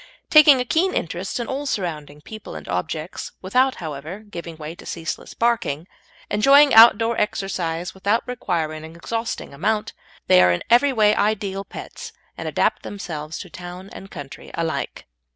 Taking a keen interest in all surrounding people and objects, without, however, giving way to ceaseless barking; enjoying outdoor exercise, without requiring an exhausting amount, they are in every way ideal pets, and adapt themselves to town and country alike.